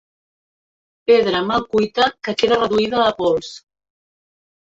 Pedra mal cuita que queda reduïda a pols.